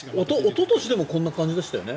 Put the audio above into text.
おととしもこんな感じでしたよね。